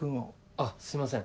あっすいません